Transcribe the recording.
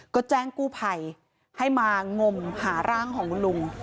ก็แจ้งกู้ภัยให้มางมหาร่างของคุณลุง